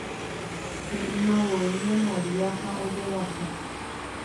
he'imavoi ña Maria ha ojovasa